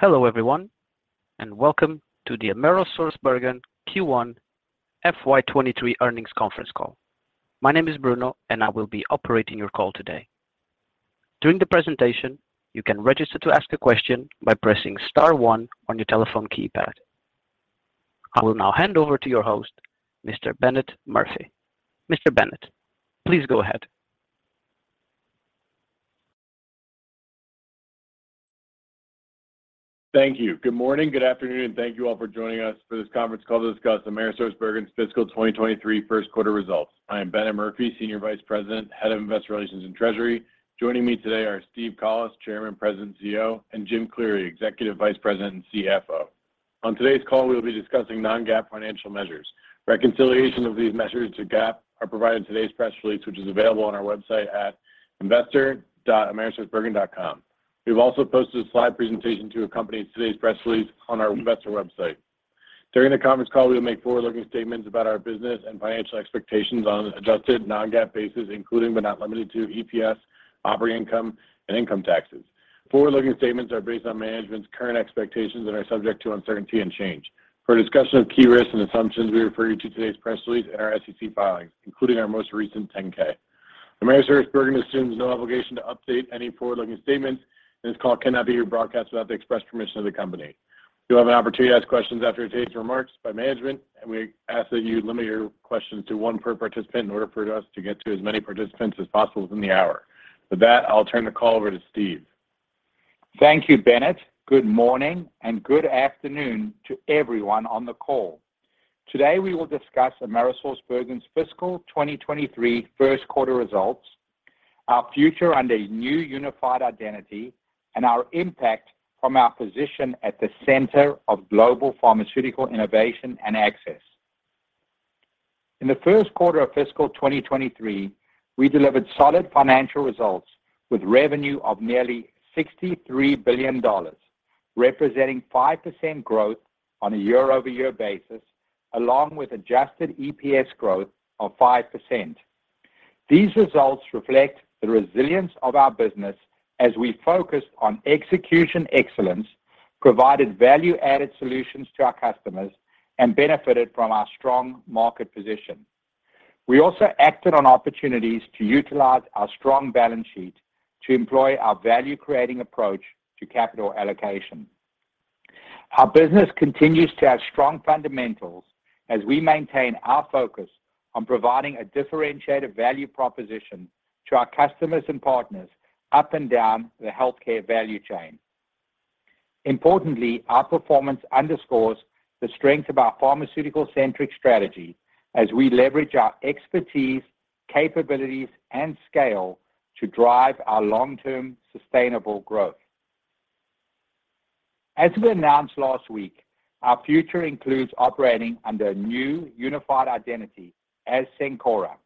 Hello everyone, and welcome to the AmerisourceBergen Q1 FY2023 earnings conference call. My name is Bruno and I will be operating your call today. During the presentation, you can register to ask a question by pressing star one on your telephone keypad. I will now hand over to your host, Mr. Bennett Murphy. Mr. Bennett, please go ahead. Thank you. Good morning, good afternoon, and thank you all for joining us for this conference call to discuss AmerisourceBergen's fiscal 2023 first quarter results. I am Bennett Murphy, Senior Vice President, Head of Investor Relations and Treasury. Joining me today are Steve Collis, Chairman, President, CEO, and Jim Cleary, Executive Vice President and CFO. On today's call, we'll be discussing non-GAAP financial measures. Reconciliation of these measures to GAAP are provided in today's press release, which is available on our website at investor.amerisourcebergen.com. We've also posted a slide presentation to accompany today's press release on our investor website. During the conference call, we'll make forward-looking statements about our business and financial expectations on an adjusted non-GAAP basis, including, but not limited to EPS, operating income, and income taxes. Forward-looking statements are based on management's current expectations and are subject to uncertainty and change. For a discussion of key risks and assumptions, we refer you to today's press release and our SEC filings, including our most recent 10-K. Cencora assumes no obligation to update any forward-looking statements, and this call cannot be rebroadcast without the express permission of the company. You'll have an opportunity to ask questions after today's remarks by management, and we ask that you limit your questions to one per participant in order for us to get to as many participants as possible within the hour. With that, I'll turn the call over to Steve. Thank you, Bennett. Good morning and good afternoon to everyone on the call. Today, we will discuss AmerisourceBergen's fiscal 2023 first quarter results, our future under a new unified identity, and our impact from our position at the center of global pharmaceutical innovation and access. In the first quarter of fiscal 2023, we delivered solid financial results with revenue of nearly $63 billion, representing 5% growth on a year-over-year basis, along with adjusted EPS growth of 5%. These results reflect the resilience of our business as we focused on execution excellence, provided value-added solutions to our customers, and benefited from our strong market position. We also acted on opportunities to utilize our strong balance sheet to employ our value-creating approach to capital allocation. Our business continues to have strong fundamentals as we maintain our focus on providing a differentiated value proposition to our customers and partners up and down the healthcare value chain. Importantly, our performance underscores the strength of our pharmaceutical-centric strategy as we leverage our expertise, capabilities, and scale to drive our long-term sustainable growth. As we announced last week, our future includes operating under a new unified identity as Cencora.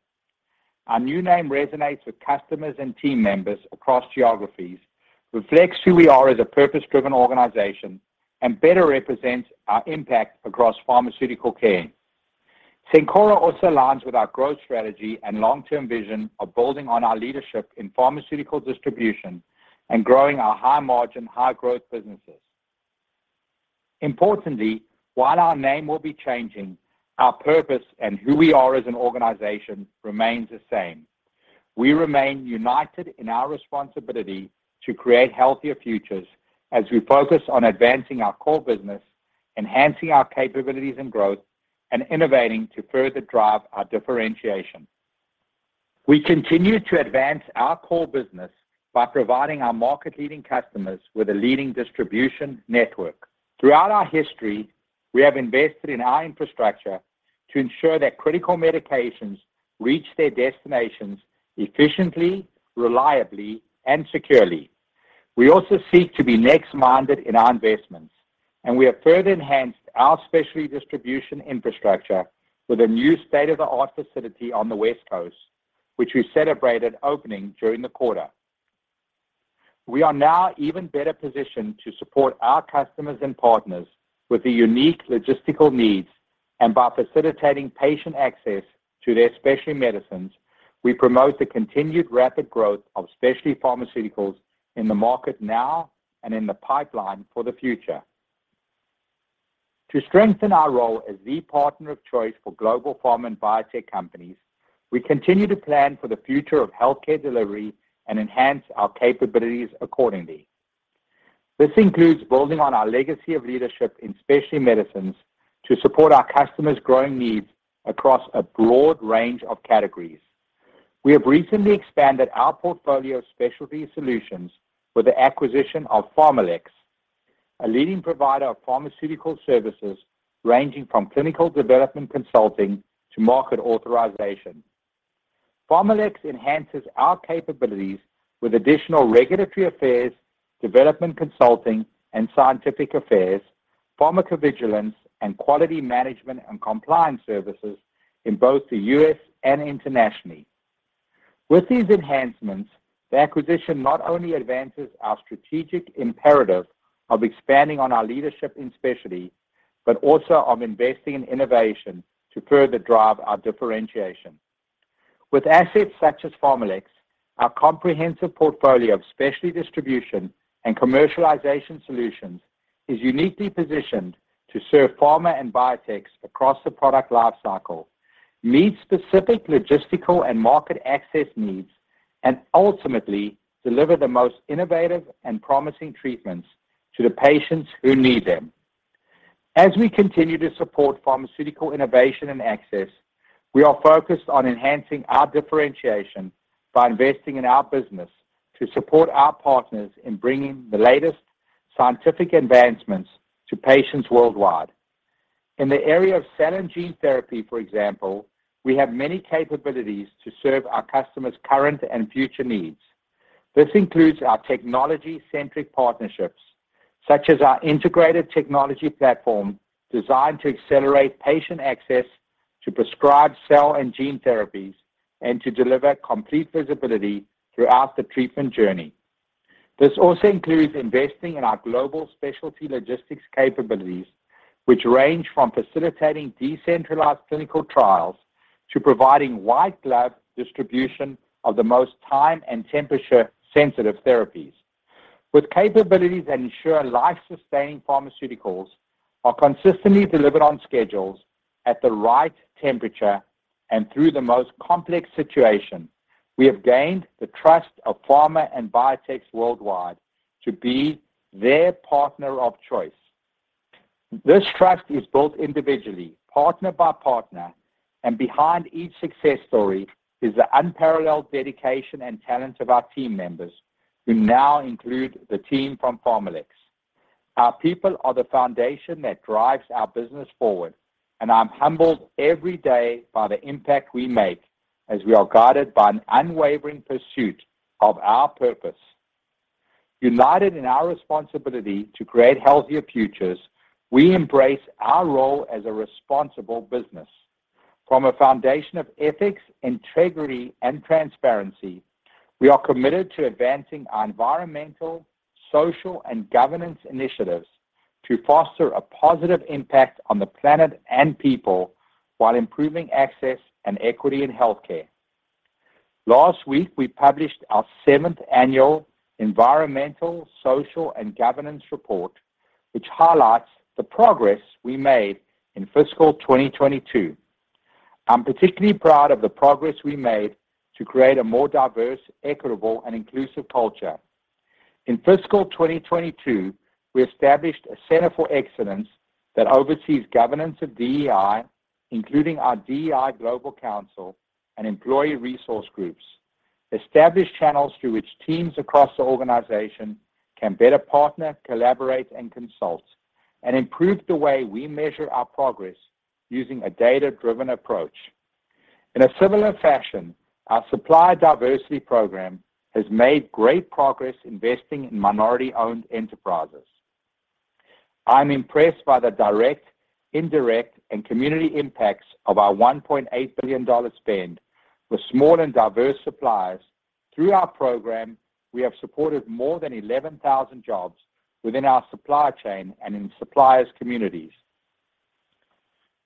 Our new name resonates with customers and team members across geographies, reflects who we are as a purpose-driven organization, and better represents our impact across pharmaceutical care. Cencora also aligns with our growth strategy and long-term vision of building on our leadership in pharmaceutical distribution and growing our high-margin, high-growth businesses. Importantly, while our name will be changing, our purpose and who we are as an organization remains the same. We remain united in our responsibility to create healthier futures as we focus on advancing our core business, enhancing our capabilities and growth, and innovating to further drive our differentiation. We continue to advance our core business by providing our market-leading customers with a leading distribution network. Throughout our history, we have invested in our infrastructure to ensure that critical medications reach their destinations efficiently, reliably, and securely. We also seek to be next-minded in our investments, and we have further enhanced our specialty distribution infrastructure with a new state-of-the-art facility on the West Coast, which we celebrated opening during the quarter. We are now even better positioned to support our customers and partners with their unique logistical needs. By facilitating patient access to their specialty medicines, we promote the continued rapid growth of specialty pharmaceuticals in the market now and in the pipeline for the future. To strengthen our role as the partner of choice for global pharma and biotech companies, we continue to plan for the future of healthcare delivery and enhance our capabilities accordingly. This includes building on our legacy of leadership in specialty medicines to support our customers' growing needs across a broad range of categories. We have recently expanded our portfolio of specialty solutions with the acquisition of PharmaLex, a leading provider of pharmaceutical services ranging from clinical development consulting to market authorization. PharmaLex enhances our capabilities with additional regulatory affairs, development consulting, and scientific affairs, pharmacovigilance, and quality management and compliance services in both the U.S. and internationally. With these enhancements, the acquisition not only advances our strategic imperative of expanding on our leadership in specialty, but also of investing in innovation to further drive our differentiation. With assets such as PharmaLex, our comprehensive portfolio of specialty distribution and commercialization solutions is uniquely positioned to serve pharma and biotechs across the product lifecycle, meet specific logistical and market access needs, and ultimately deliver the most innovative and promising treatments to the patients who need them. As we continue to support pharmaceutical innovation and access, we are focused on enhancing our differentiation by investing in our business to support our partners in bringing the latest scientific advancements to patients worldwide. In the area of cell and gene therapy, for example, we have many capabilities to serve our customers' current and future needs. This includes our technology-centric partnerships, such as our integrated technology platform designed to accelerate patient access to prescribed cell and gene therapies and to deliver complete visibility throughout the treatment journey. This also includes investing in our global specialty logistics capabilities, which range from facilitating decentralized clinical trials to providing white glove distribution of the most time and temperature sensitive therapies. With capabilities that ensure life-sustaining pharmaceuticals are consistently delivered on schedules at the right temperature and through the most complex situation, we have gained the trust of pharma and biotechs worldwide to be their partner of choice. This trust is built individually, partner by partner, and behind each success story is the unparalleled dedication and talent of our team members who now include the team from PharmaLex. Our people are the foundation that drives our business forward, and I am humbled every day by the impact we make as we are guided by an unwavering pursuit of our purpose. United in our responsibility to create healthier futures, we embrace our role as a responsible business. From a foundation of ethics, integrity and transparency, we are committed to advancing our environmental, social, and governance initiatives to foster a positive impact on the planet and people while improving access and equity in healthcare. Last week, we published our seventh annual Environmental, Social and Governance Report, which highlights the progress we made in fiscal 2022. I am particularly proud of the progress we made to create a more diverse, equitable and inclusive culture. In fiscal 2022, we established a center for excellence that oversees governance of DEI, including our DEI Global Council and employee resource groups, established channels through which teams across the organization can better partner, collaborate and consult, and improve the way we measure our progress using a data-driven approach. In a similar fashion, our supplier diversity program has made great progress investing in minority-owned enterprises. I am impressed by the direct, indirect and community impacts of our $1.8 billion spend with small and diverse suppliers. Through our program, we have supported more than 11,000 jobs within our supply chain and in suppliers' communities.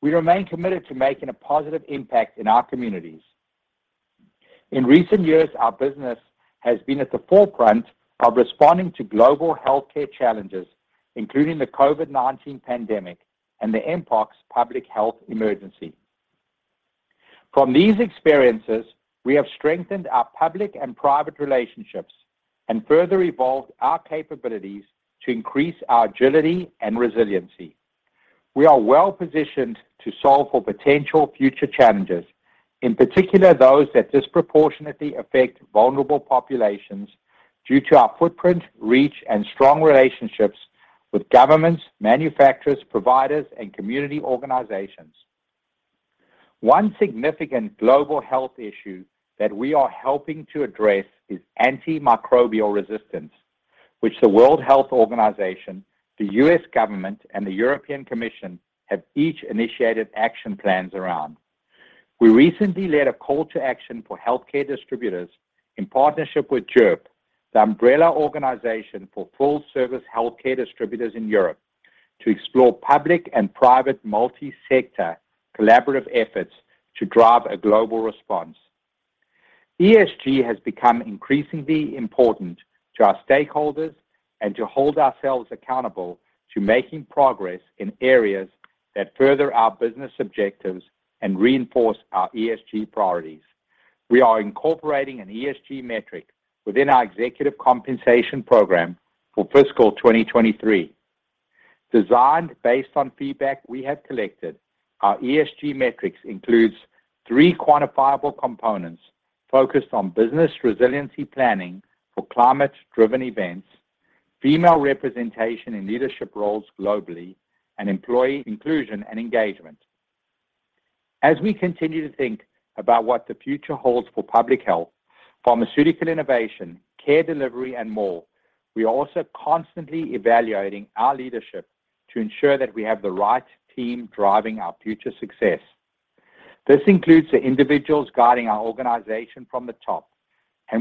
We remain committed to making a positive impact in our communities. In recent years, our business has been at the forefront of responding to global healthcare challenges, including the COVID-19 pandemic and the mpox public health emergency. From these experiences, we have strengthened our public and private relationships and further evolved our capabilities to increase our agility and resiliency. We are well-positioned to solve for potential future challenges, in particular those that disproportionately affect vulnerable populations due to our footprint, reach, and strong relationships with governments, manufacturers, providers, and community organizations. One significant global health issue that we are helping to address is antimicrobial resistance, which the World Health Organization, the U.S. Government, and the European Commission have each initiated action plans around. We recently led a call to action for healthcare distributors in partnership with GIRP, the umbrella organization for full-service healthcare distributors in Europe, to explore public and private multi-sector collaborative efforts to drive a global response. ESG has become increasingly important to our stakeholders and to hold ourselves accountable to making progress in areas that further our business objectives and reinforce our ESG priorities. We are incorporating an ESG metric within our executive compensation program for fiscal 2023. Designed based on feedback we have collected, our ESG metrics includes three quantifiable components focused on business resiliency planning for climate-driven events, female representation in leadership roles globally, and employee inclusion and engagement. As we continue to think about what the future holds for public health, pharmaceutical innovation, care delivery and more, we are also constantly evaluating our leadership to ensure that we have the right team driving our future success. This includes the individuals guiding our organization from the top.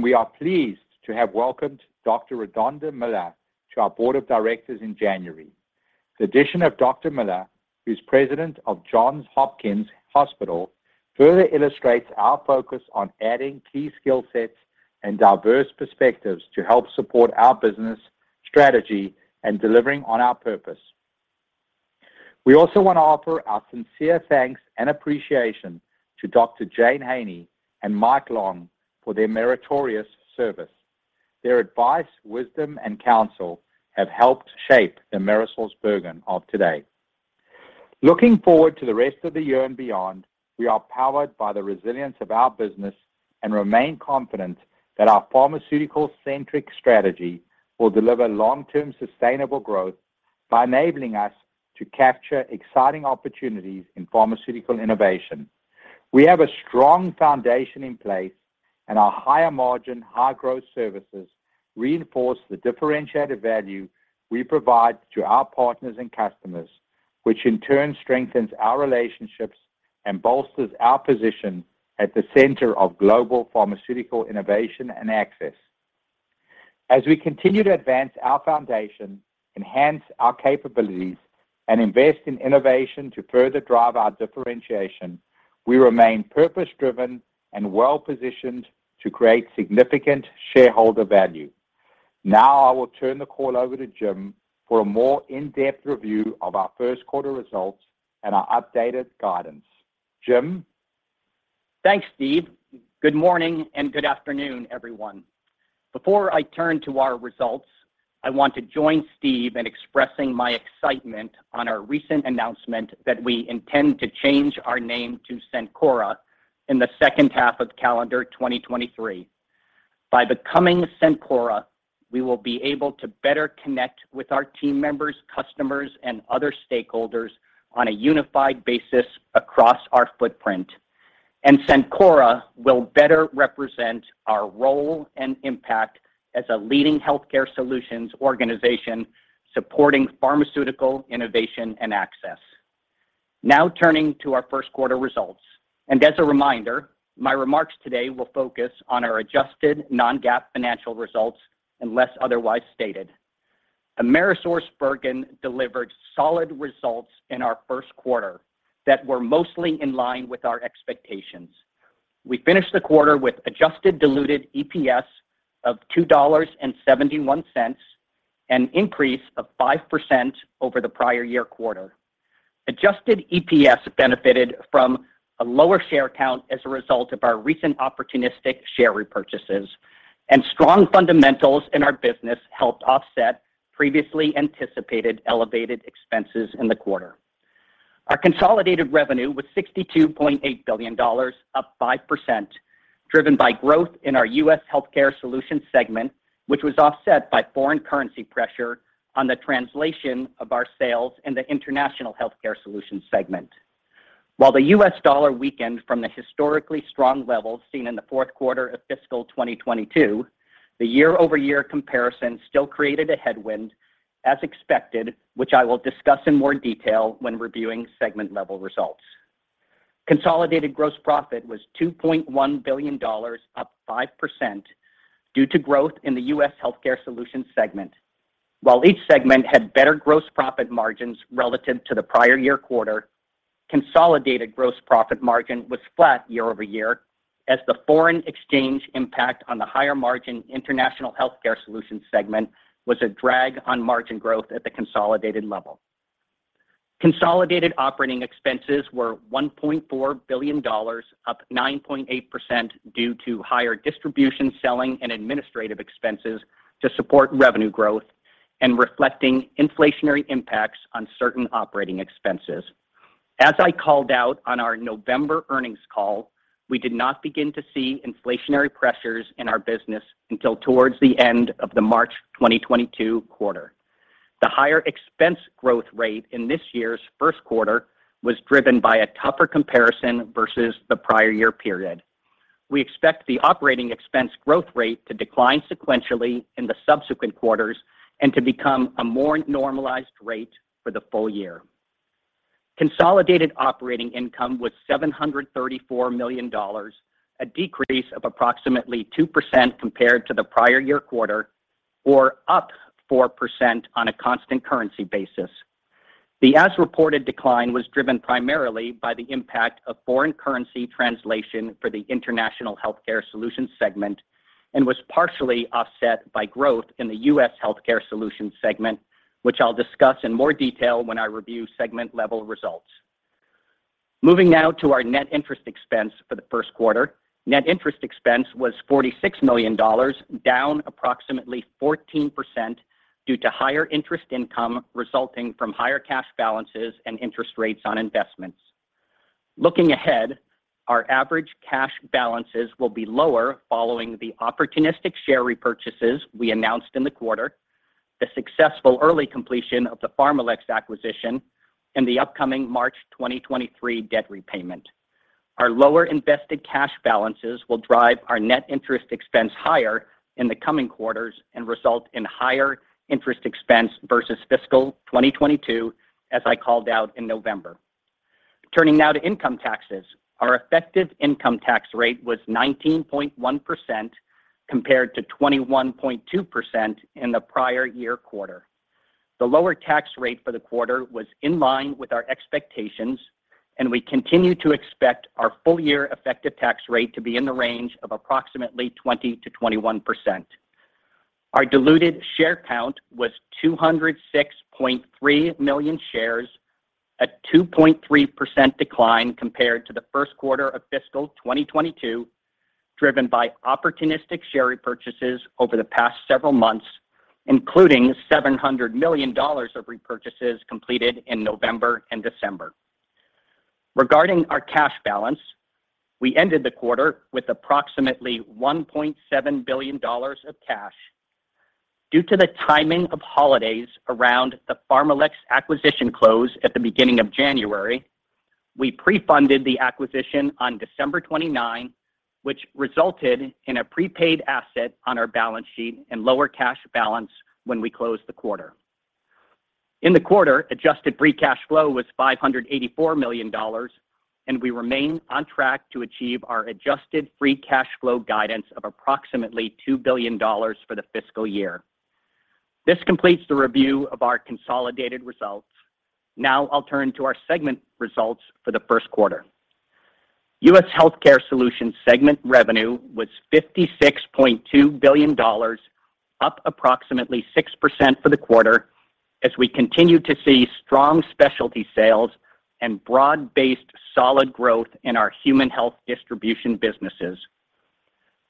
We are pleased to have welcomed Dr. Redonda Miller to our Board of Directors in January. The addition of Dr. Miller, who's President of The Johns Hopkins Hospital, further illustrates our focus on adding key skill sets and diverse perspectives to help support our business strategy and delivering on our purpose. We also wanna offer our sincere thanks and appreciation to Dr. Jane Henney and Mike Long for their meritorious service. Their advice, wisdom, and counsel have helped shape the Cencora of today. Looking forward to the rest of the year and beyond, we are powered by the resilience of our business and remain confident that our pharmaceutical-centric strategy will deliver long-term sustainable growth by enabling us to capture exciting opportunities in pharmaceutical innovation. We have a strong foundation in place, and our higher margin, high-growth services reinforce the differentiated value we provide to our partners and customers, which in turn strengthens our relationships and bolsters our position at the center of global pharmaceutical innovation and access. As we continue to advance our foundation, enhance our capabilities, and invest in innovation to further drive our differentiation, we remain purpose-driven and well-positioned to create significant shareholder value. Now I will turn the call over to Jim for a more in-depth review of our first quarter results and our updated guidance. Jim? Thanks, Steve. Good morning and good afternoon, everyone. Before I turn to our results, I want to join Steve in expressing my excitement on our recent announcement that we intend to change our name to Cencora in the second half of calendar 2023. By becoming Cencora, we will be able to better connect with our team members, customers, and other stakeholders on a unified basis across our footprint. Cencora will better represent our role and impact as a leading healthcare solutions organization supporting pharmaceutical innovation and access. Now turning to our first quarter results. As a reminder, my remarks today will focus on our adjusted non-GAAP financial results unless otherwise stated. AmerisourceBergen delivered solid results in our first quarter that were mostly in line with our expectations. We finished the quarter with adjusted diluted EPS of $2.71, an increase of 5% over the prior year quarter. Adjusted EPS benefited from a lower share count as a result of our recent opportunistic share repurchases, and strong fundamentals in our business helped offset previously anticipated elevated expenses in the quarter. Our consolidated revenue was $62.8 billion, up 5%, driven by growth in our U.S. Healthcare Solutions segment, which was offset by foreign currency pressure on the translation of our sales in the International Healthcare Solutions segment. While the U.S. dollar weakened from the historically strong levels seen in the fourth quarter of fiscal 2022, the year-over-year comparison still created a headwind as expected, which I will discuss in more detail when reviewing segment level results. Consolidated gross profit was $2.1 billion, up 5% due to growth in the U.S. Healthcare Solutions segment. While each segment had better gross profit margins relative to the prior year quarter, consolidated gross profit margin was flat year-over-year as the foreign exchange impact on the higher margin International Healthcare Solutions segment was a drag on margin growth at the consolidated level. Consolidated operating expenses were $1.4 billion, up 9.8% due to higher distribution, selling, and administrative expenses to support revenue growth and reflecting inflationary impacts on certain operating expenses. As I called out on our November earnings call, we did not begin to see inflationary pressures in our business until towards the end of the March 2022 quarter. The higher expense growth rate in this year's first quarter was driven by a tougher comparison versus the prior year period. We expect the operating expense growth rate to decline sequentially in the subsequent quarters and to become a more normalized rate for the full year. Consolidated operating income was $734 million, a decrease of approximately 2% compared to the prior year quarter or up 4% on a constant currency basis. The as-reported decline was driven primarily by the impact of foreign currency translation for the International Healthcare Solutions segment and was partially offset by growth in the U.S. Healthcare Solutions segment, which I'll discuss in more detail when I review segment level results. Moving now to our net interest expense for the first quarter. Net interest expense was $46 million, down approximately 14% due to higher interest income resulting from higher cash balances and interest rates on investments. Looking ahead, our average cash balances will be lower following the opportunistic share repurchases we announced in the quarter, the successful early completion of the PharmaLex acquisition, and the upcoming March 2023 debt repayment. Our lower invested cash balances will drive our net interest expense higher in the coming quarters and result in higher interest expense versus fiscal 2022, as I called out in November. Turning now to income taxes. Our effective income tax rate was 19.1% compared to 21.2% in the prior year quarter. The lower tax rate for the quarter was in line with our expectations, and we continue to expect our full year effective tax rate to be in the range of approximately 20%-21%. Our diluted share count was 206.3 million shares, a 2.3% decline compared to the first quarter of fiscal 2022, driven by opportunistic share repurchases over the past several months, including $700 million of repurchases completed in November and December. Regarding our cash balance, we ended the quarter with approximately $1.7 billion of cash. Due to the timing of holidays around the PharmaLex acquisition close at the beginning of January, we pre-funded the acquisition on December 29, which resulted in a prepaid asset on our balance sheet and lower cash balance when we closed the quarter. In the quarter, adjusted free cash flow was $584 million, and we remain on track to achieve our adjusted free cash flow guidance of approximately $2 billion for the fiscal year. This completes the review of our consolidated results. Now I'll turn to our segment results for the first quarter. U.S. Healthcare Solutions segment revenue was $56.2 billion, up approximately 6% for the quarter as we continue to see strong specialty sales and broad-based solid growth in our human health distribution businesses.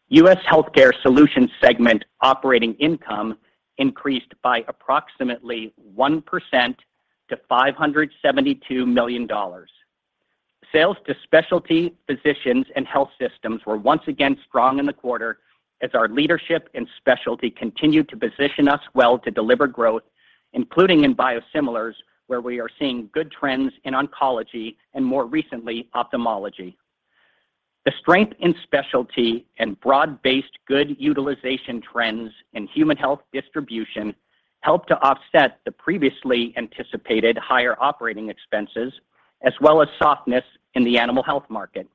U.S. Healthcare Solutions segment operating income increased by approximately 1% to $572 million. Sales to specialty physicians and health systems were once again strong in the quarter as our leadership and specialty continued to position us well to deliver growth, including in biosimilars, where we are seeing good trends in oncology and more recently, ophthalmology. The strength in specialty and broad-based good utilization trends in human health distribution helped to offset the previously anticipated higher operating expenses, as well as softness in the animal health market.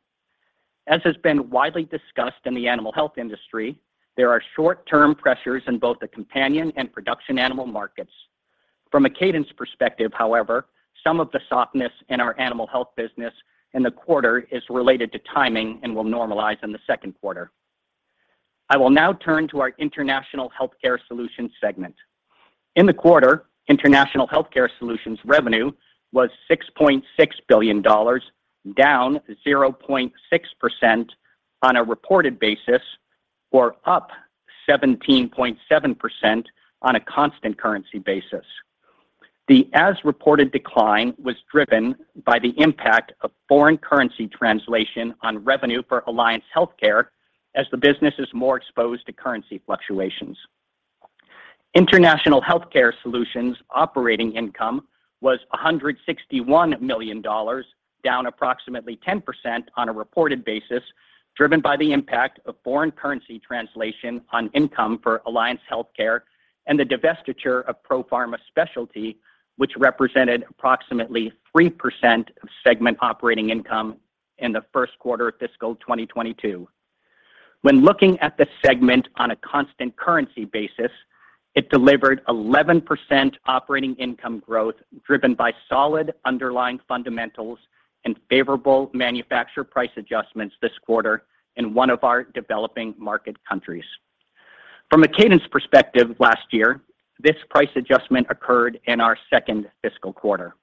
As has been widely discussed in the animal health industry, there are short-term pressures in both the companion and production animal markets. From a cadence perspective, however, some of the softness in our animal health business in the quarter is related to timing and will normalize in the second quarter. I will now turn to our International Healthcare Solutions segment. In the quarter, International Healthcare Solutions revenue was $6.6 billion, down 0.6% on a reported basis, or up 17.7% on a constant currency basis. The as-reported decline was driven by the impact of foreign currency translation on revenue for Alliance Healthcare as the business is more exposed to currency fluctuations. International Healthcare Solutions operating income was $161 million, down approximately 10% on a reported basis, driven by the impact of foreign currency translation on income for Alliance Healthcare and the divestiture of Profarma Specialty, which represented approximately 3% of segment operating income in the first quarter of fiscal 2022. When looking at the segment on a constant currency basis, it delivered 11% operating income growth, driven by solid underlying fundamentals and favorable manufacturer price adjustments this quarter in one of our developing market countries. From a cadence perspective last year, this price adjustment occurred in our second fiscal quarter.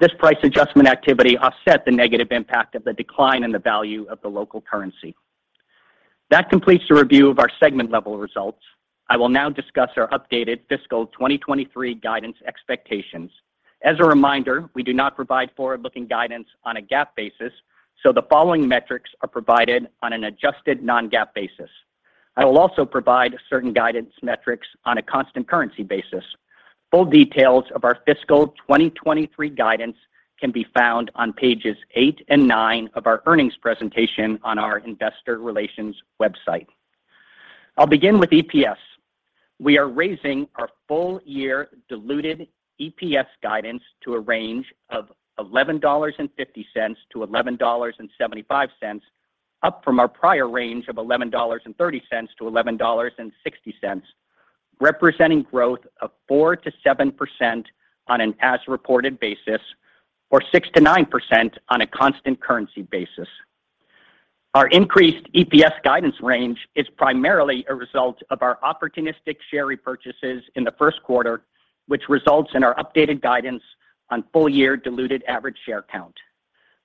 This price adjustment activity offset the negative impact of the decline in the value of the local currency. That completes the review of our segment-level results. I will now discuss our updated fiscal 2023 guidance expectations. As a reminder, we do not provide forward-looking guidance on a GAAP basis, so the following metrics are provided on an adjusted non-GAAP basis. I will also provide certain guidance metrics on a constant currency basis. Full details of our fiscal 2023 guidance can be found on pages 8 and 9 of our earnings presentation on our Investor Relations website. I'll begin with EPS. We are raising our full-year diluted EPS guidance to a range of $11.50-$11.75, up from our prior range of $11.30-$11.60, representing growth of 4%-7% on an as-reported basis or 6%-9% on a constant currency basis. Our increased EPS guidance range is primarily a result of our opportunistic share repurchases in the first quarter, which results in our updated guidance on full-year diluted average share count.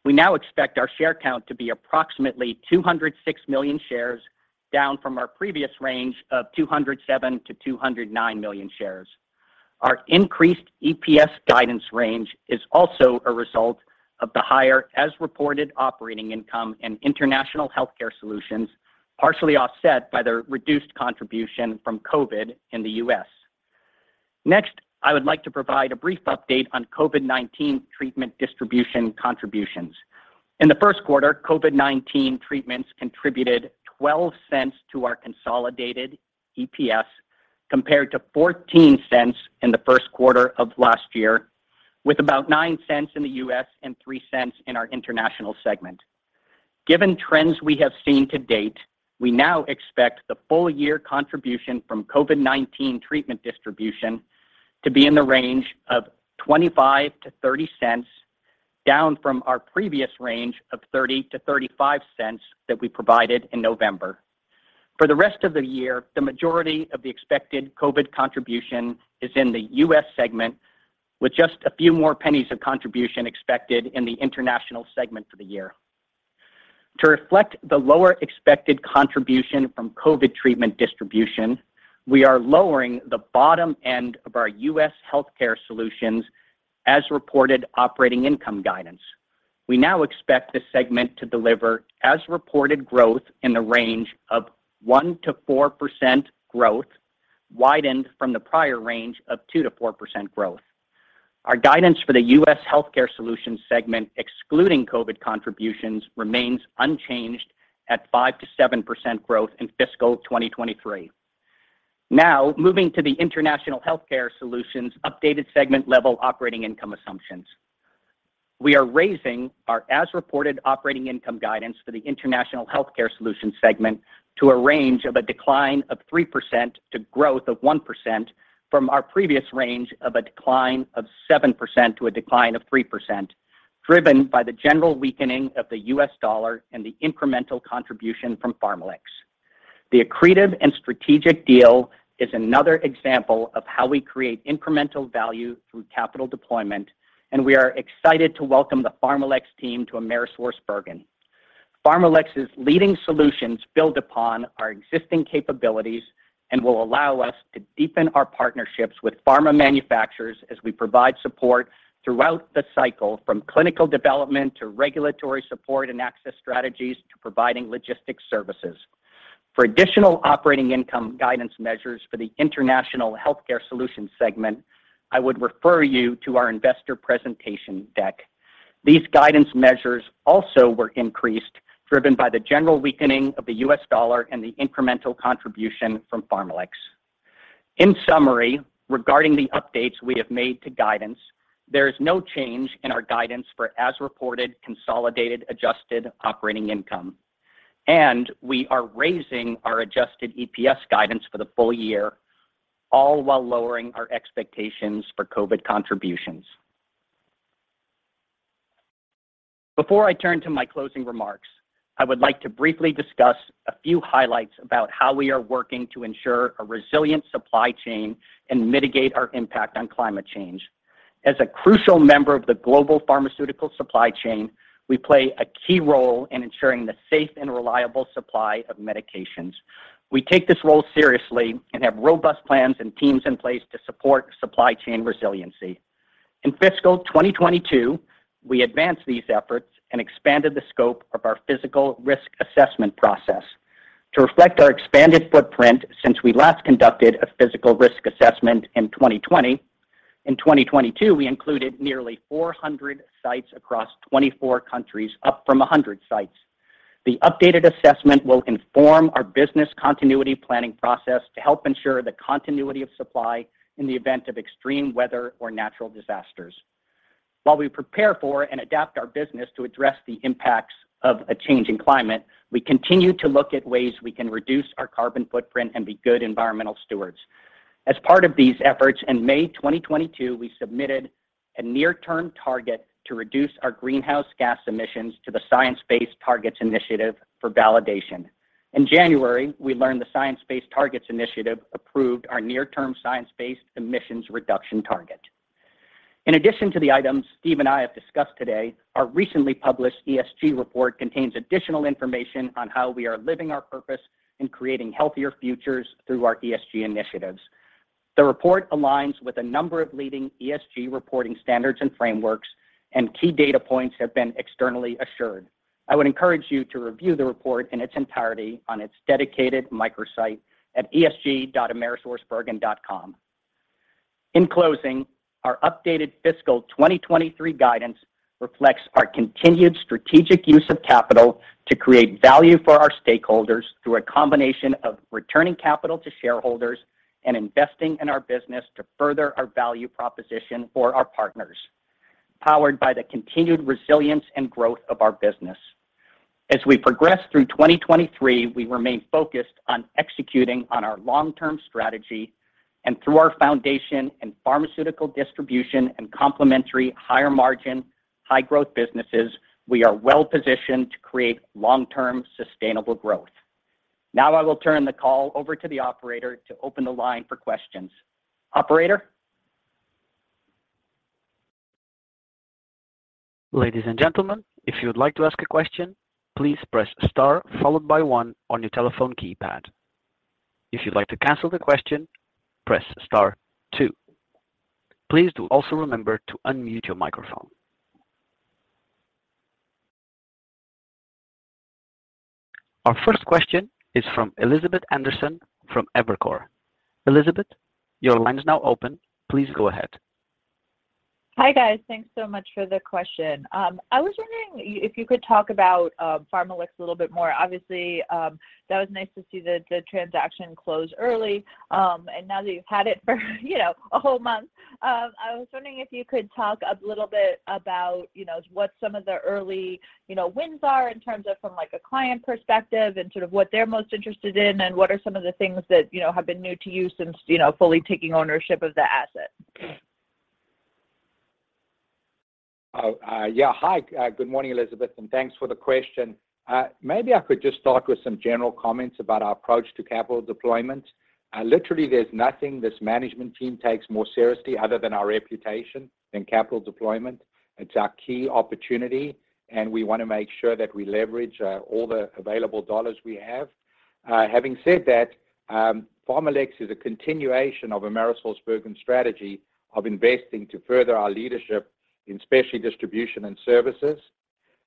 We now expect our share count to be approximately 206 million shares, down from our previous range of 207-209 million shares. Our increased EPS guidance range is also a result of the higher as-reported operating income in International Healthcare Solutions, partially offset by the reduced contribution from COVID in the U.S. Next, I would like to provide a brief update on COVID-19 treatment distribution contributions. In the first quarter, COVID-19 treatments contributed $0.12 to our consolidated EPS compared to $0.14 in the first quarter of last year, with about $0.09 in the U.S. and $0.03 in our international segment. Given trends we have seen to date, we now expect the full year contribution from COVID-19 treatment distribution to be in the range of $0.25-$0.30, down from our previous range of $0.30-$0.35 that we provided in November. For the rest of the year, the majority of the expected COVID contribution is in the U.S. segment, with just a few more pennies of contribution expected in the International segment for the year. To reflect the lower expected contribution from COVID treatment distribution, we are lowering the bottom end of our U.S. Healthcare Solutions as reported operating income guidance. We now expect this segment to deliver as reported growth in the range of 1%-4% growth, widened from the prior range of 2%-4% growth. Our guidance for the U.S. Healthcare Solutions segment, excluding COVID contributions, remains unchanged at 5%-7% growth in fiscal 2023. Now, moving to the International Healthcare Solutions updated segment level operating income assumptions. We are raising our as-reported operating income guidance for the International Healthcare Solutions segment to a range of a decline of 3% to growth of 1% from our previous range of a decline of 7% to a decline of 3%, driven by the general weakening of the US dollar and the incremental contribution from PharmaLex. The accretive and strategic deal is another example of how we create incremental value through capital deployment, and we are excited to welcome the PharmaLex team to AmerisourceBergen. PharmaLex's leading solutions build upon our existing capabilities and will allow us to deepen our partnerships with pharma manufacturers as we provide support throughout the cycle from clinical development to regulatory support and access strategies to providing logistics services. For additional operating income guidance measures for the International Healthcare Solutions segment, I would refer you to our investor presentation deck. These guidance measures also were increased, driven by the general weakening of the US dollar and the incremental contribution from PharmaLex. In summary, regarding the updates we have made to guidance, there is no change in our guidance for as-reported consolidated adjusted operating income, and we are raising our adjusted EPS guidance for the full year, all while lowering our expectations for COVID-19 contributions. Before I turn to my closing remarks, I would like to briefly discuss a few highlights about how we are working to ensure a resilient supply chain and mitigate our impact on climate change. As a crucial member of the global pharmaceutical supply chain, we play a key role in ensuring the safe and reliable supply of medications. We take this role seriously and have robust plans and teams in place to support supply chain resiliency. In fiscal 2022, we advanced these efforts and expanded the scope of our physical risk assessment process. To reflect our expanded footprint since we last conducted a physical risk assessment in 2020, in 2022, we included nearly 400 sites across 24 countries, up from 100 sites. The updated assessment will inform our business continuity planning process to help ensure the continuity of supply in the event of extreme weather or natural disasters. While we prepare for and adapt our business to address the impacts of a changing climate, we continue to look at ways we can reduce our carbon footprint and be good environmental stewards. As part of these efforts, in May 2022, we submitted a near-term target to reduce our greenhouse gas emissions to the Science Based Targets initiative for validation. In January, we learned the Science Based Targets initiative approved our near-term science-based emissions reduction target. In addition to the items Steve and I have discussed today, our recently published ESG report contains additional information on how we are living our purpose and creating healthier futures through our ESG initiatives. The report aligns with a number of leading ESG reporting standards and frameworks, and key data points have been externally assured. I would encourage you to review the report in its entirety on its dedicated microsite at esg.amerisourcebergen.com. In closing, our updated fiscal 2023 guidance reflects our continued strategic use of capital to create value for our stakeholders through a combination of returning capital to shareholders and investing in our business to further our value proposition for our partners, powered by the continued resilience and growth of our business. As we progress through 2023, we remain focused on executing on our long-term strategy and through our foundation in pharmaceutical distribution and complementary higher margin, high growth businesses, we are well positioned to create long-term sustainable growth. Now I will turn the call over to the operator to open the line for questions. Operator? Ladies and gentlemen, if you would like to ask a question, please press star followed by one on your telephone keypad. If you'd like to cancel the question, press star two. Please do also remember to unmute your microphone. Our first question is from Elizabeth Anderson from Evercore. Elizabeth, your line is now open. Please go ahead. Hi, guys. Thanks so much for the question. I was wondering if you could talk about PharmaLex a little bit more. Obviously, that was nice to see the transaction close early. Now that you've had it for, you know, a whole month, I was wondering if you could talk a little bit about, you know, what some of the early, you know, wins are in terms of from like a client perspective and sort of what they're most interested in, and what are some of the things that, you know, have been new to you since, you know, fully taking ownership of the asset? Hi, good morning, Elizabeth, and thanks for the question. Maybe I could just start with some general comments about our approach to capital deployment. Literally, there's nothing this management team takes more seriously other than our reputation and capital deployment. It's our key opportunity, and we wanna make sure that we leverage all the available dollars we have. Having said that, PharmaLex is a continuation of AmerisourceBergen strategy of investing to further our leadership in specialty distribution and services.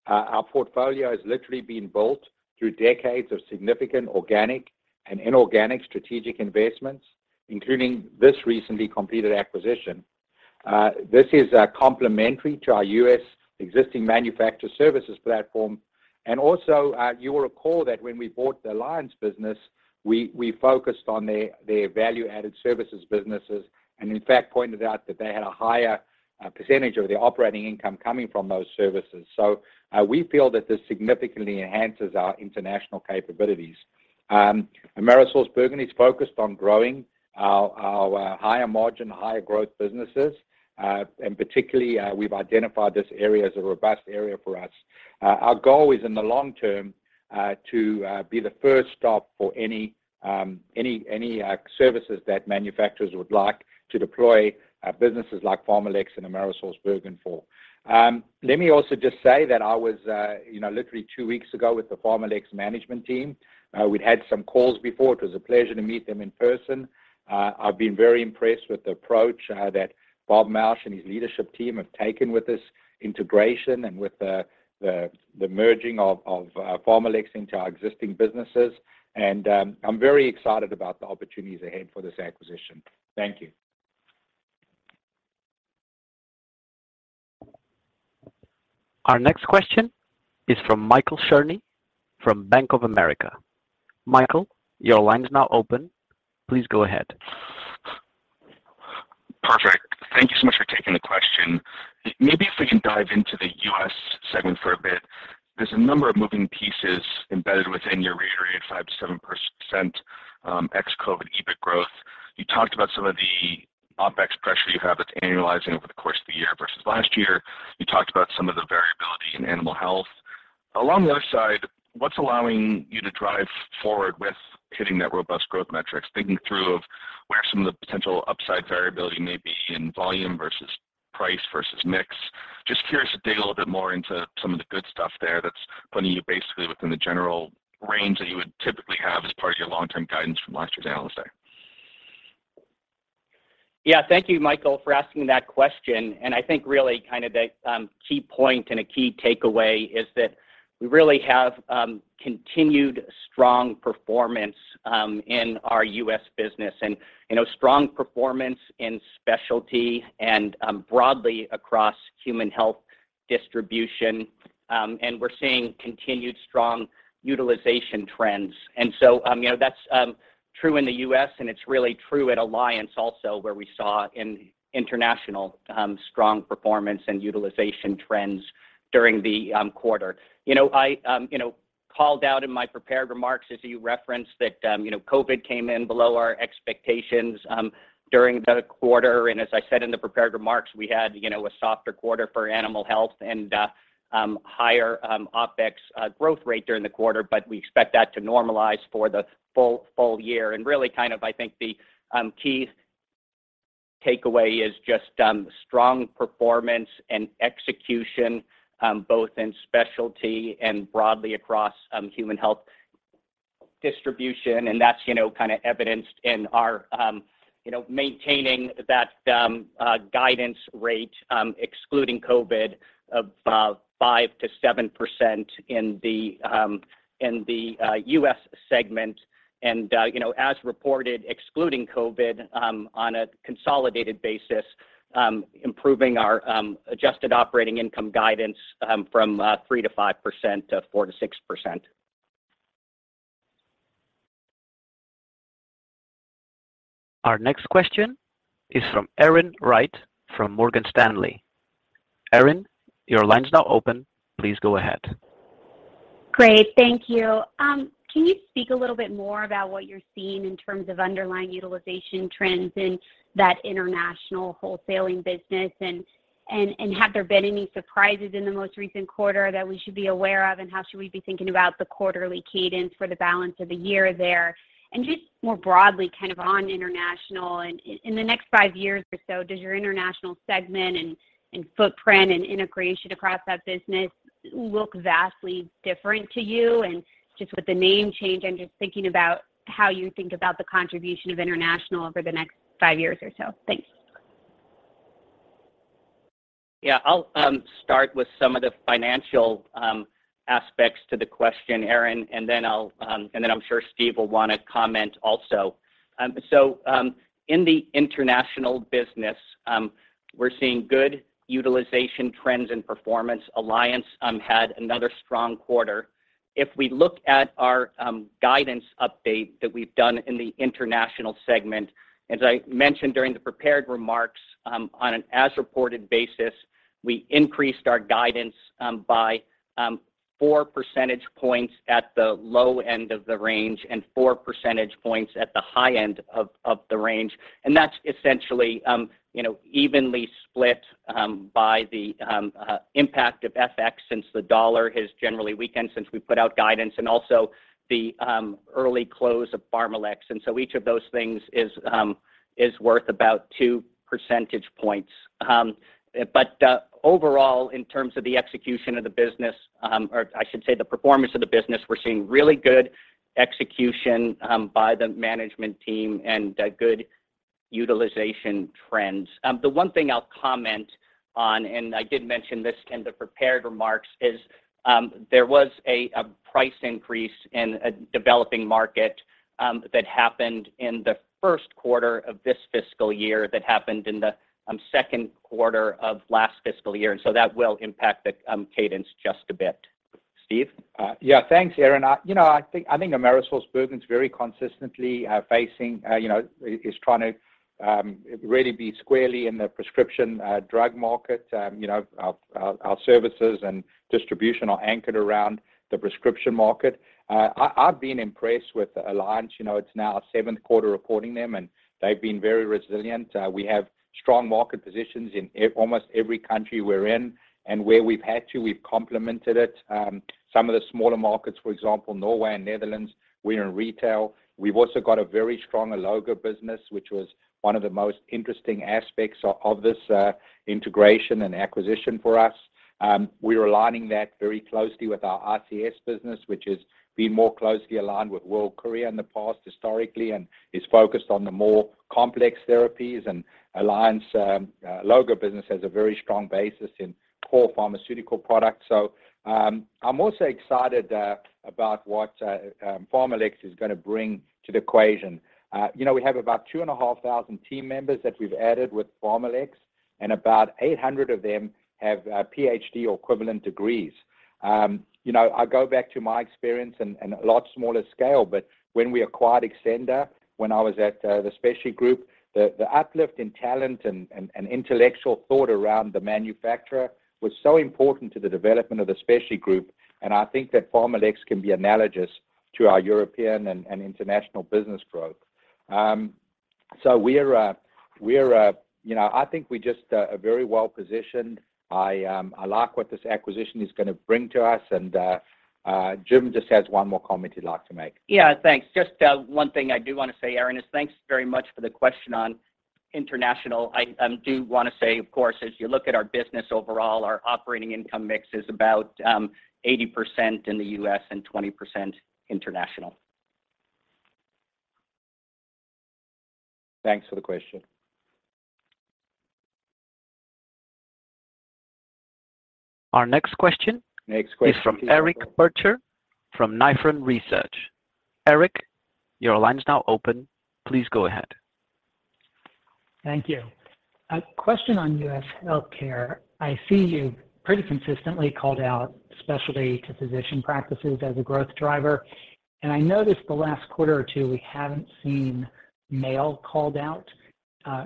Our portfolio has literally been built through decades of significant organic and inorganic strategic investments, including this recently completed acquisition. This is complementary to our U.S. existing manufacturer services platform. You will recall that when we bought the Alliance business, we focused on their value-added services businesses, and in fact pointed out that they had a higher percentage of their operating income coming from those services. We feel that this significantly enhances our international capabilities. AmerisourceBergen is focused on growing our higher margin, higher growth businesses, and particularly, we've identified this area as a robust area for us. Our goal is, in the long term, to be the first stop for any services that manufacturers would like to deploy, businesses like PharmaLex and AmerisourceBergen for. Let me also just say that I was, you know, literally 2 weeks ago with the PharmaLex management team. We'd had some calls before. It was a pleasure to meet them in person. I've been very impressed with the approach that Robert Mauch and his leadership team have taken with this integration and with the merging of PharmaLex into our existing businesses. I'm very excited about the opportunities ahead for this acquisition. Thank you. Our next question is from Michael Cherny from Bank of America. Michael, your line is now open. Please go ahead. Perfect. Thank you so much for taking the question. Maybe if we can dive into the U.S. segment for a bit. There's a number of moving pieces embedded within your reiterated 5%-7%, ex COVID EBIT growth. You talked about some of the OpEx pressure you have that's annualizing over the course of the year versus last year. You talked about some of the variability in animal health. Along the other side, what's allowing you to drive forward with hitting that robust growth metrics, thinking through of where some of the potential upside variability may be in volume versus price versus mix. Just curious to dig a little bit more into some of the good stuff there that's putting you basically within the general range that you would typically have as part of your long-term guidance from last year's Analyst Day. Yeah. Thank you, Michael, for asking that question. I think really kind of the key point and a key takeaway is that we really have continued strong performance in our U.S. business and, you know, strong performance in specialty and broadly across human health distribution. We're seeing continued strong utilization trends. You know, that's true in the U.S., and it's really true at Alliance also, where we saw in international strong performance and utilization trends during the quarter. You know, I, you know, called out in my prepared remarks, as you referenced, that, you know, COVID came in below our expectations during the quarter. As I said in the prepared remarks, we had, you know, a softer quarter for Animal Health and higher OpEx growth rate during the quarter, but we expect that to normalize for the full year. Really kind of, I think the key takeaway is just strong performance and execution both in specialty and broadly across human health distribution, and that's, you know, kind of evidenced in our, you know, maintaining that guidance rate, excluding COVID, of 5%-7% in the U.S. segment and, you know, as reported, excluding COVID, on a consolidated basis, improving our adjusted operating income guidance from 3%-5%-4%-6%. Our next question is from Erin Wright from Morgan Stanley. Erin, your line's now open. Please go ahead. Great. Thank you. Can you speak a little bit more about what you're seeing in terms of underlying utilization trends in that international wholesaling business and have there been any surprises in the most recent quarter that we should be aware of, and how should we be thinking about the quarterly cadence for the balance of the year there? Just more broadly, kind of on international and in the next five years or so, does your international segment and footprint and integration across that business look vastly different to you? Just with the name change, I'm just thinking about how you think about the contribution of international over the next five years or so. Thanks. Yeah, I'll start with some of the financial aspects to the question, Erin, then I'm sure Steven will wanna comment also. In the International business, we're seeing good utilization trends and performance. Alliance had another strong quarter. If we look at our guidance update that we've done in the International segment, as I mentioned during the prepared remarks, on an as-reported basis, we increased our guidance by 4 percentage points at the low end of the range and 4 percentage points at the high end of the range. That's essentially, you know, evenly split by the impact of FX since the dollar has generally weakened since we put out guidance and also the early close of PharmaLex. Each of those things is worth about 2 percentage points. Overall, in terms of the execution of the business, or I should say, the performance of the business, we're seeing really good execution by the management team and good utilization trends. The one thing I'll comment on, and I did mention this in the prepared remarks, is there was a price increase in a developing market that happened in the 1st quarter of this fiscal year that happened in the second quarter of last fiscal year. That will impact the cadence just a bit. Steve? Yeah. Thanks, Erin. I, you know, I think AmerisourceBergen's very consistently facing, you know, is trying to really be squarely in the prescription drug market. You know, our services and distribution are anchored around the prescription market. I've been impressed with Alliance. You know, it's now our seventh quarter reporting them, and they've been very resilient. We have strong market positions in almost every country we're in, and where we've had to, we've complemented it. Some of the smaller markets, for example, Norway and Netherlands, we're in retail. We've also got a very strong Alloga business, which was one of the most interesting aspects of this integration and acquisition for us. We're aligning that very closely with our RCS business, which has been more closely aligned with World Courier in the past historically and is focused on the more complex therapies. Alliance Alloga business has a very strong basis in core pharmaceutical products. I'm also excited about what PharmaLex is gonna bring to the equation. You know, we have about 2,500 team members that we've added with PharmaLex, and about 800 of them have PhD or equivalent degrees. You know, I go back to my experience and a lot smaller scale, but when we acquired Xcenda, when I was at the specialty group, the uplift in talent and, and intellectual thought around the manufacturer was so important to the development of the specialty group, and I think that PharmaLex can be analogous to our European and international business growth. I think we just are very well-positioned. I like what this acquisition is gonna bring to us and Jim just has one more comment he'd like to make. Thanks. Just, one thing I do wanna say, Erin, is thanks very much for the question on international. I, do wanna say, of course, as you look at our business overall, our operating income mix is about, 80% in the U.S. and 20% international. Thanks for the question. Our next question- Next question. is from Eric Percher from Nephron Research. Eric, your line is now open. Please go ahead. Thank you. A question on U.S. Healthcare. I see you pretty consistently called out specialty to physician practices as a growth driver, and I noticed the last quarter or two, we haven't seen mail called out,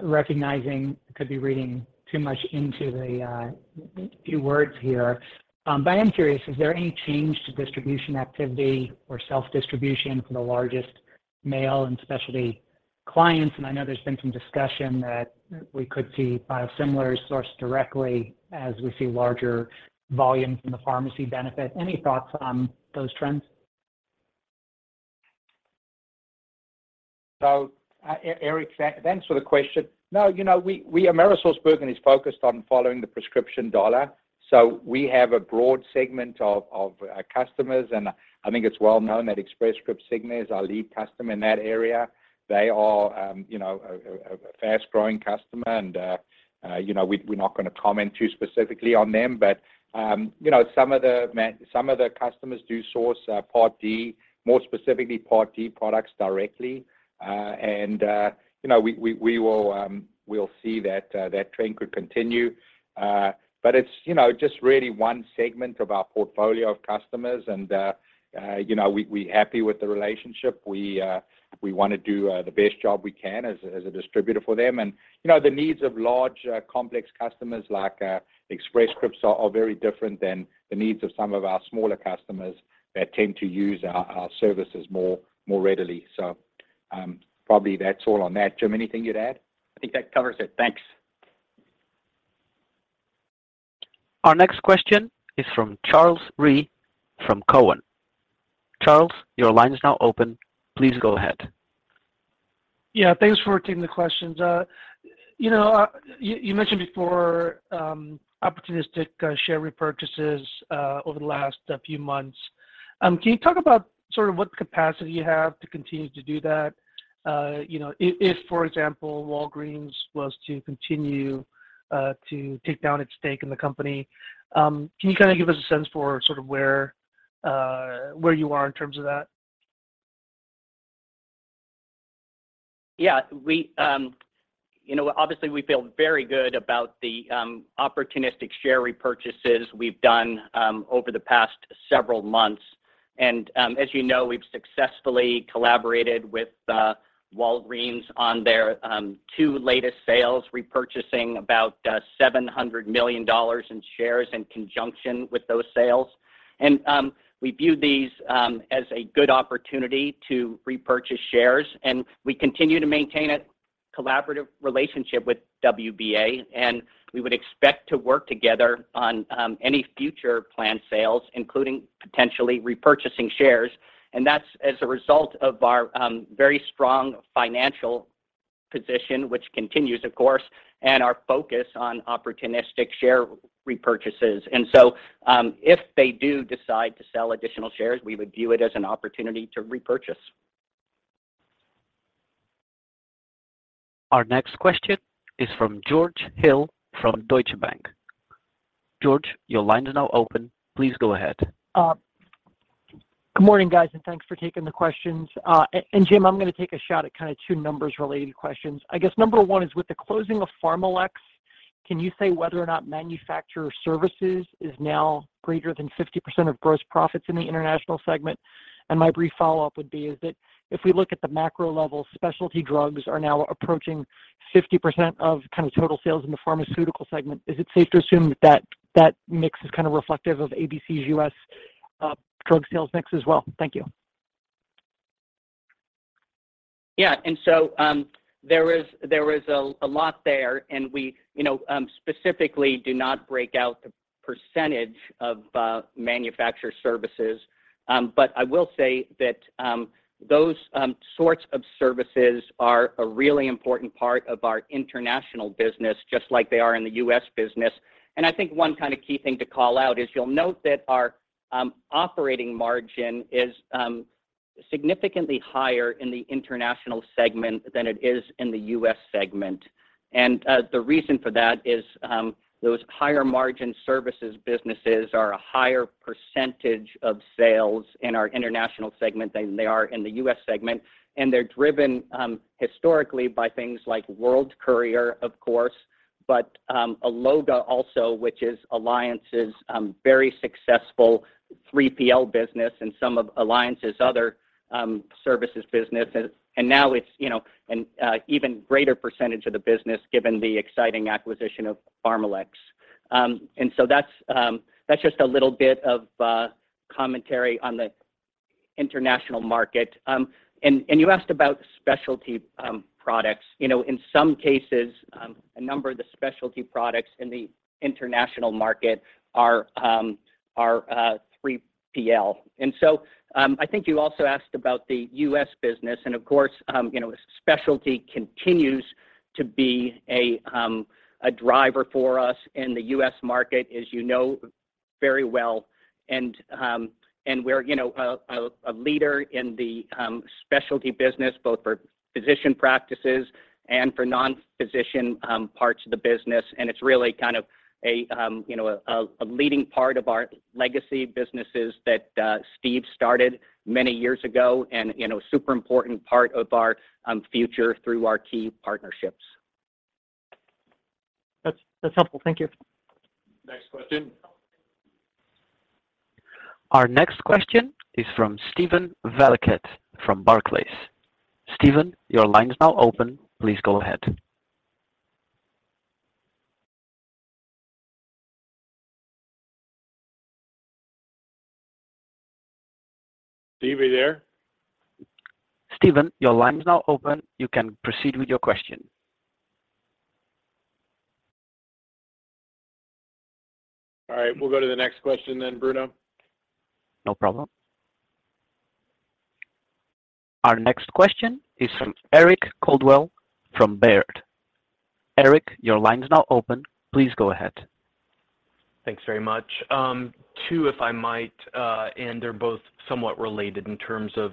recognizing could be reading too much into the few words here. I am curious, is there any change to distribution activity or self-distribution for the largest mail and specialty clients? I know there's been some discussion that we could see biosimilars sourced directly as we see larger volumes in the pharmacy benefit. Any thoughts on those trends? Eric, thanks for the question. No, you know, AmerisourceBergen is focused on following the prescription dollar. We have a broad segment of customers, and I think it's well known that Express Scripts Cigna is our lead customer in that area. They are, you know, a fast-growing customer and, you know, we're not gonna comment too specifically on them. You know, some of the customers do source Part D, more specifically Part D products directly. You know, we will see that that trend could continue. It's, you know, just really one segment of our portfolio of customers and, you know, we're happy with the relationship. We wanna do the best job we can as a distributor for them. You know, the needs of large, complex customers like Express Scripts are very different than the needs of some of our smaller customers that tend to use our services more readily. Probably that's all on that. Jim, anything you'd add? I think that covers it. Thanks. Our next question is from Charles Rhyee from Cowen. Charles, your line is now open. Please go ahead. Yeah, thanks for taking the questions. You know, you mentioned before, opportunistic, share repurchases, over the last few months. Can you talk about sort of what capacity you have to continue to do that? You know, if, for example, Walgreens was to continue, to take down its stake in the company, can you kind of give us a sense for sort of where you are in terms of that? Yeah. We, you know, obviously, we feel very good about the opportunistic share repurchases we've done over the past several months. As you know, we've successfully collaborated with Walgreens on their two latest sales, repurchasing about $700 million in shares in conjunction with those sales. We view these as a good opportunity to repurchase shares, and we continue to maintain a collaborative relationship with WBA, and we would expect to work together on any future planned sales, including potentially repurchasing shares. That's as a result of our very strong financial position, which continues, of course, and our focus on opportunistic share repurchases. If they do decide to sell additional shares, we would view it as an opportunity to repurchase. Our next question is from George Hill from Deutsche Bank. George, your line is now open. Please go ahead. Good morning, guys, and thanks for taking the questions. Jim, I'm gonna take a shot at kind of 2 numbers-related questions. I guess number 1 is with the closing of PharmaLex, can you say whether or not manufacturer services is now greater than 50% of gross profits in the international segment? My brief follow-up would be is that if we look at the macro level, specialty drugs are now approaching 50% of kind of total sales in the pharmaceutical segment. Is it safe to assume that that mix is kind of reflective of ABC's U.S. drug sales mix as well? Thank you. Yeah. There is a lot there, and we, you know, specifically do not break out the percentage of manufacturer services. I will say that those sorts of services are a really important part of our international business just like they are in the U.S. business. I think one kind of key thing to call out is you'll note that our operating margin is significantly higher in the international segment than it is in the U.S. segment. The reason for that is those higher margin services businesses are a higher percentage of sales in our international segment than they are in the US segment, and they're driven historically by things like World Courier, of course, but Alloga also, which is Alliance's very successful 3PL business and some of Alliance's other services business. Now it's, you know, an even greater percentage of the business given the exciting acquisition of PharmaLex. That's just a little bit of a commentary on the international market. You asked about specialty products. You know, in some cases, a number of the specialty products in the international market are 3PL. I think you also asked about the U.S. business, and of course, you know, specialty continues to be a driver for us in the U.S. market, as you know very well. We're, you know, a leader in the specialty business, both for physician practices and for non-physician parts of the business. It's really kind of a, you know, a leading part of our legacy businesses that Steve started many years ago and, you know, super important part of our future through our key partnerships. That's helpful. Thank you. Next question. Our next question is from Steven Valiquette from Barclays. Steven, your line is now open. Please go ahead. Steve, are you there? Steven, your line is now open. You can proceed with your question. All right. We'll go to the next question then, Bruno. No problem. Our next question is from Eric Coldwell from Baird. Eric, your line is now open. Please go ahead. Thanks very much. Two, if I might, they're both somewhat related in terms of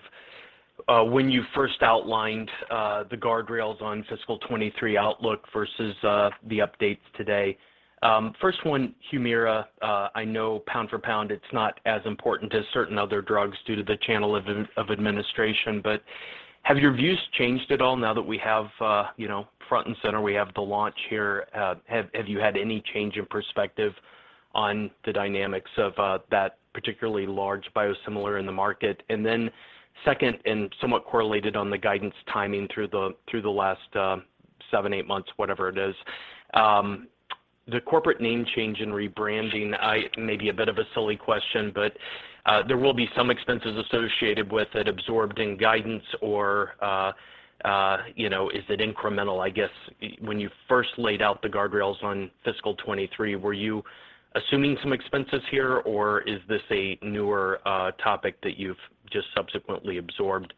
when you first outlined the guardrails on fiscal 2023 outlook versus the updates today. First one, Humira, I know pound for pound, it's not as important as certain other drugs due to the channel of administration. Have your views changed at all now that we have, you know, front and center, we have the launch here? Have you had any change in perspective on the dynamics of that particularly large biosimilar in the market? Then second, and somewhat correlated on the guidance timing through the last 7, 8 months, whatever it is, the corporate name change and rebranding, it may be a bit of a silly question, but, there will be some expenses associated with it absorbed in guidance or, you know, is it incremental? I guess when you first laid out the guardrails on fiscal 2023, were you assuming some expenses here, or is this a newer topic that you've just subsequently absorbed?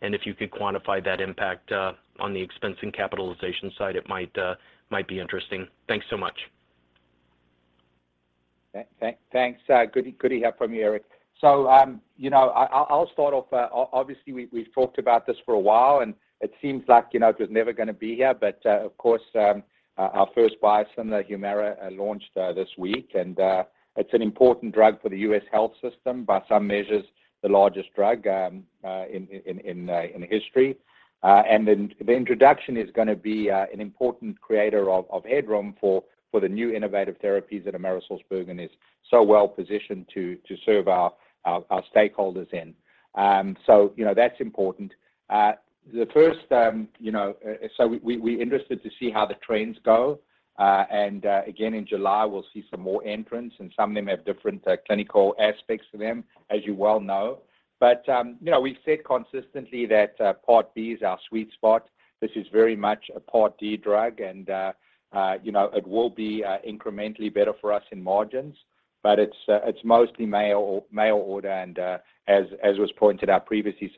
If you could quantify that impact on the expense and capitalization side, it might be interesting. Thanks so much. Thanks, good to hear from you, Eric. You know, I'll start off. Obviously, we've talked about this for a while, and it seems like, you know, it was never gonna be here. Of course, our first biosimilar Humira launched this week. It's an important drug for the U.S. health system, by some measures, the largest drug in history. The introduction is gonna be an important creator of headroom for the new innovative therapies that AmerisourceBergen is so well-positioned to serve our stakeholders in. You know, that's important. The first, you know. We interested to see how the trends go. Again, in July, we'll see some more entrants, and some of them have different clinical aspects to them, as you well know. You know, we've said consistently that Part B is our sweet spot. This is very much a Part D drug, and, you know, it will be incrementally better for us in margins. It's mostly mail order. As was pointed out previously,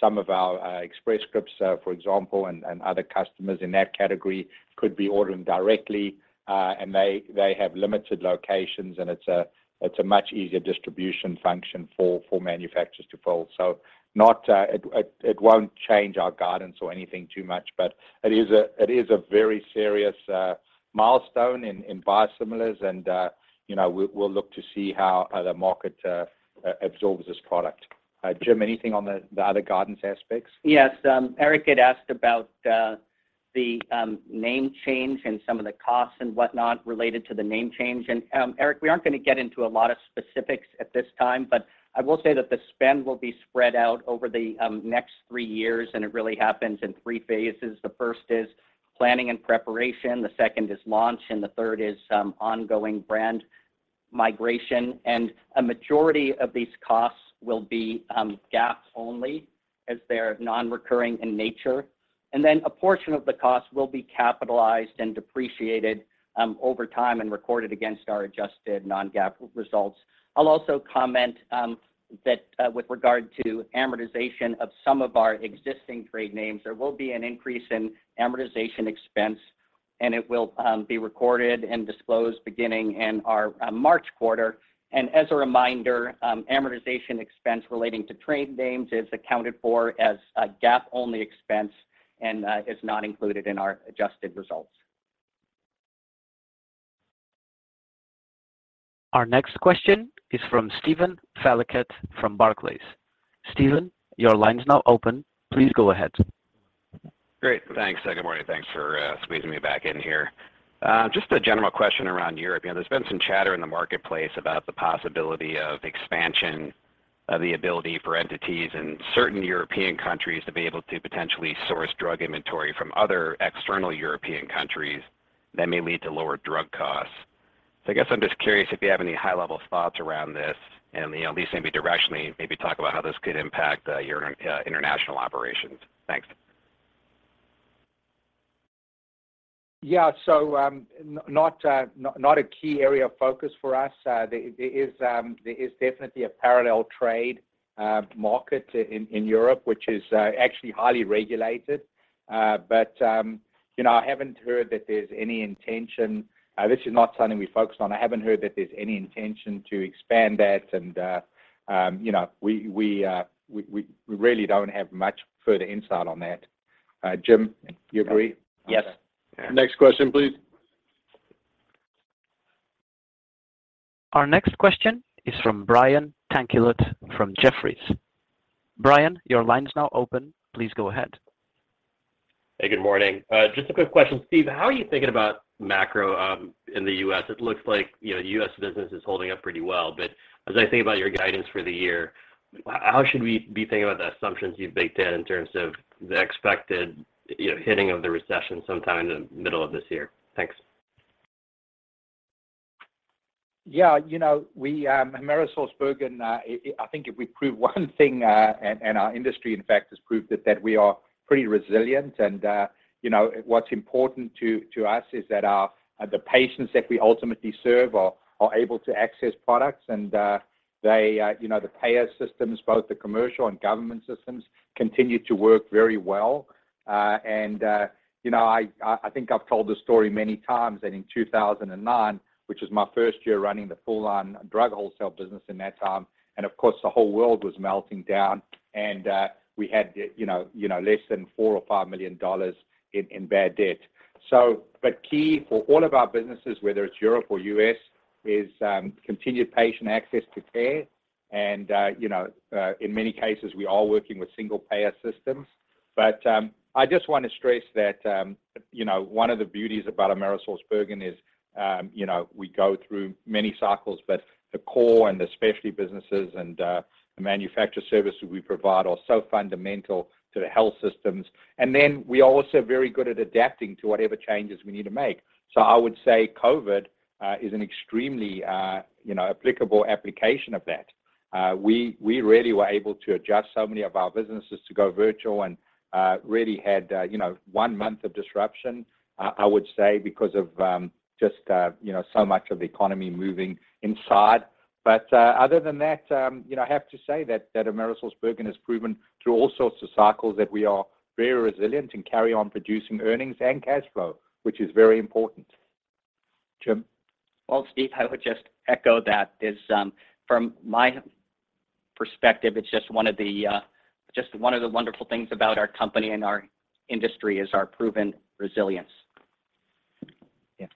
some of our Express Scripts, for example, and other customers in that category could be ordering directly. They have limited locations, and it's a much easier distribution function for manufacturers to fill. Not. It won't change our guidance or anything too much, but it is a very serious milestone in biosimilars. You know, we'll look to see how the market absorbs this product. Jim, anything on the other guidance aspects? Yes. Eric had asked about the name change and some of the costs and whatnot related to the name change. Eric, we aren't gonna get into a lot of specifics at this time, but I will say that the spend will be spread out over the next 3 years, and it really happens in 3 phases. The first is planning and preparation, the second is launch, and the third is ongoing brand migration. A majority of these costs will be GAAP only as they're non-recurring in nature. A portion of the cost will be capitalized and depreciated over time and recorded against our adjusted non-GAAP results. I'll also comment that with regard to amortization of some of our existing trade names, there will be an increase in amortization expense, and it will be recorded and disclosed beginning in our March quarter. As a reminder, amortization expense relating to trade names is accounted for as a GAAP-only expense and is not included in our adjusted results. Our next question is from Steven Valiquette from Barclays. Steven, your line is now open. Please go ahead. Great. Thanks. Good morning. Thanks for squeezing me back in here. Just a general question around Europe. You know, there's been some chatter in the marketplace about the possibility of expansion, of the ability for entities in certain European countries to be able to potentially source drug inventory from other external European countries that may lead to lower drug costs. I guess I'm just curious if you have any high-level thoughts around this and, you know, at least maybe directionally, maybe talk about how this could impact your international operations. Thanks. Not a key area of focus for us. There is definitely a parallel trade market in Europe, which is actually highly regulated. But, you know, I haven't heard that there's any intention. This is not something we focused on. I haven't heard that there's any intention to expand that. You know, we really don't have much further insight on that. Jim, you agree on that? Yes. Next question, please. Our next question is from Brian Tanquilut from Jefferies. Brian, your line is now open. Please go ahead. Hey, good morning. Just a quick question. Steve, how are you thinking about macro in the U.S.? It looks like, you know, the U.S. business is holding up pretty well. As I think about your guidance for the year, how should we be thinking about the assumptions you've baked in in terms of the expected, you know, hitting of the recession sometime in the middle of this year? Thanks. Yeah. You know, we, AmerisourceBergen, I think if we prove one thing, and our industry, in fact, has proved that we are pretty resilient. You know, what's important to us is that the patients that we ultimately serve are able to access products. You know, the payer systems, both the commercial and government systems, continue to work very well. You know, I think I've told this story many times that in 2009, which was my first year running the full drug wholesale business in that time, of course, the whole world was melting down, we had, you know, less than $4-$5 million in bad debt. But key for all of our businesses, whether it's Europe or US, is, continued patient access to care. You know, in many cases, we are working with single payer systems. I just wanna stress that, you know, one of the beauties about AmerisourceBergen is, you know, we go through many cycles, but the core and the specialty businesses and, the manufacturer services we provide are so fundamental to the health systems. We are also very good at adapting to whatever changes we need to make. I would say COVID, is an extremely, you know, applicable application of that. We, we really were able to adjust so many of our businesses to go virtual and really had, you know, one month of disruption, I would say because of, just, you know, so much of the economy moving inside. Other than that, you know, I have to say that AmerisourceBergen has proven through all sorts of cycles that we are very resilient and carry on producing earnings and cash flow, which is very important. Jim. Well, Steve, I would just echo that. From my perspective, it's just one of the wonderful things about our company and our industry is our proven resilience. Yeah.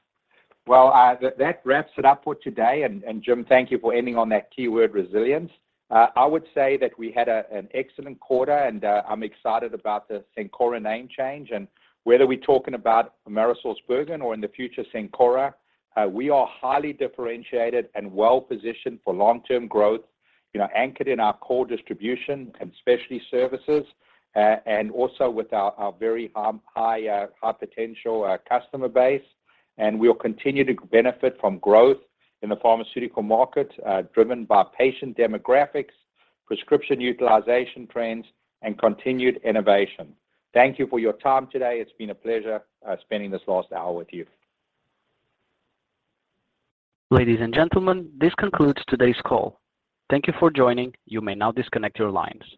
Well, that wraps it up for today. Jim, thank you for ending on that keyword, resilience. I would say that we had an excellent quarter, I'm excited about the Cencora name change. Whether we're talking about AmerisourceBergen or in the future Cencora, we are highly differentiated and well-positioned for long-term growth, you know, anchored in our core distribution and specialty services, and also with our very, high, high potential, customer base. We'll continue to benefit from growth in the pharmaceutical market, driven by patient demographics, prescription utilization trends, and continued innovation. Thank you for your time today. It's been a pleasure spending this last hour with you. Ladies and gentlemen, this concludes today's call. Thank you for joining. You may now disconnect your lines.